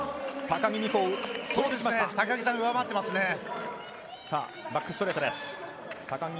高木さんを上回っていますね。